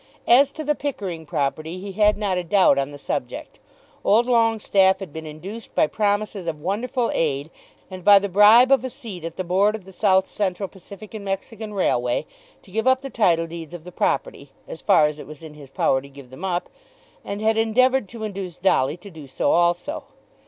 As to the Pickering property he had not a doubt on the subject. Old Longestaffe had been induced by promises of wonderful aid and by the bribe of a seat at the Board of the South Central Pacific and Mexican Railway to give up the title deeds of the property, as far as it was in his power to give them up; and had endeavoured to induce Dolly to do so also.